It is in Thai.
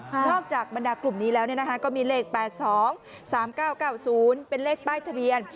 บรรดากลุ่มนี้แล้วก็มีเลข๘๒๓๙๙๐เป็นเลขป้ายทะเบียน